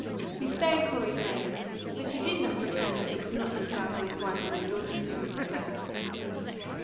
He spared Corey's name, but he did not pretend that it was not himself and his wife and their daughters who were concerned.